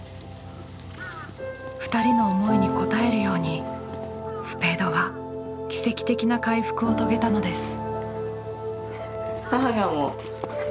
２人の思いに応えるようにスペードは奇跡的な回復を遂げたのです。